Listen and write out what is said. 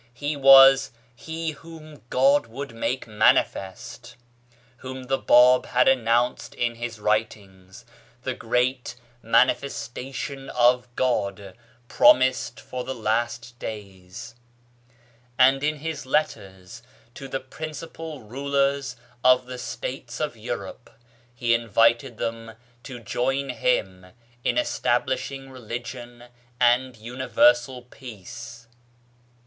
He was " He whom God would make manifest," whom the Bab had announced in his writings, the great Manifestation of God promised for the last days ; and in his letters to the principal Rulers of the States of Europe he invited them to join him in establishing religion and universal peace.